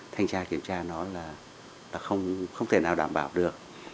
thanh tra kiểm tra nó là không thể nào đảm bảo được